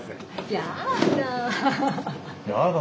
やだ。